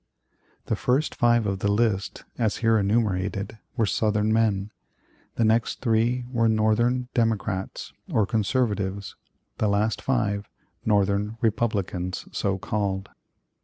The first five of the list, as here enumerated, were Southern men; the next three were Northern Democrats, or Conservatives; the last five, Northern "Republicans," so called.